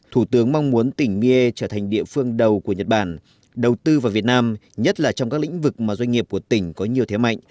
thủ tướng mong muốn tỉnh miên trở thành địa phương đầu của nhật bản đầu tư vào việt nam nhất là trong các lĩnh vực mà doanh nghiệp của tỉnh có nhiều thế mạnh